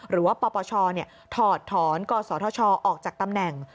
หรือว่าปปชถอดถอนกศชออกจากตำแหน่ง